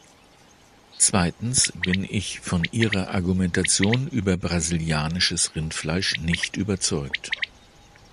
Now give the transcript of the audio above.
Zweitens bin ich von Ihrer Argumentation über brasilianisches Rindfleisch nicht überzeugt.